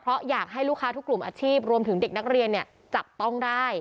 เพราะอยากให้ลูกค้าทุกกลุ่มอาชีพรวมถึงเด็กนักเรียนจับต้องได้